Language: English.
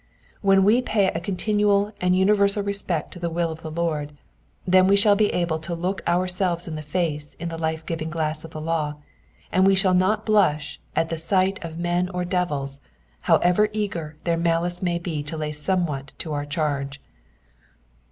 When we pay a continual and universal respect to the will of the Lord, then we shall be able to look ourselves in the face in the looking glass of the law, and we shall not blush at the sight of men or devils, however eager their malice may be to lay somewhat to our charge.